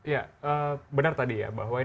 ya benar tadi ya